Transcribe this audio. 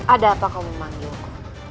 ada apa kau memanggilku